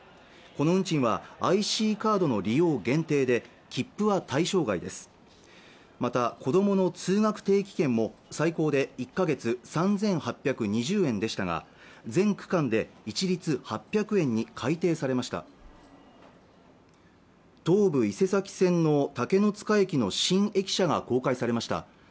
この運賃はＩＣカードの利用限定で切符は対象外ですまた子どもの通学定期券も最高で１ヶ月３８２０円でしたが全区間で一律８００円に改定されました東武伊勢崎線の竹ノ塚駅の新駅舎が公開されました